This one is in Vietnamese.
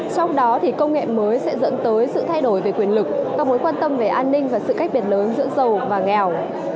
trong đó thì công nghệ mới sẽ dẫn tới sự thay đổi về quyền lực các mối quan tâm về an ninh và sự cách biệt lớn giữa dầu và nghèo